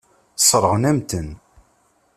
Sseṛɣen-am-ten.